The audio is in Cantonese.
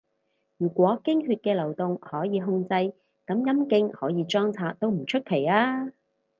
如果經血嘅流動可以控制，噉陰莖可以裝拆都唔出奇吖